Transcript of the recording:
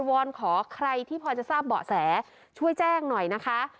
อนขอใครที่พอจะทราบเบาะแสช่วยแจ้งหน่อยนะคะ